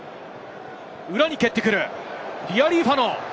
裏に蹴ってくる、リアリーファノ。